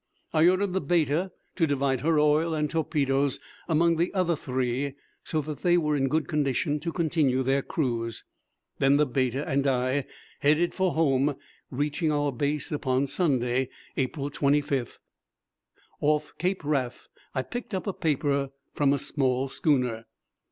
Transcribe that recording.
I ordered the Beta to divide her oil and torpedoes among the other three, so that they were in good condition to continue their cruise. Then the Beta and I headed for home, reaching our base upon Sunday, April 25th. Off Cape Wrath I picked up a paper from a small schooner.